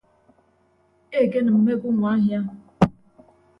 Ekenịmme ke umuahia.